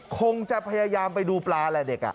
คงจะพยายามไปดูปลาแหละเด็ก